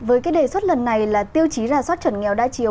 với cái đề xuất lần này là tiêu chí ra soát chuẩn nghèo đa chiều